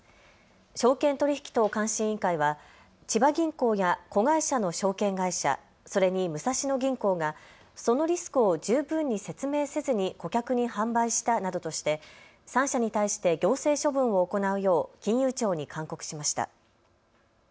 証券取引等監視委員会は千葉銀行や子会社の証券会社、それに武蔵野銀行がそのリスクを十分に説明せずに顧客に販売したなどとして３社に対して行政処分を行うよう金融庁に勧告しました。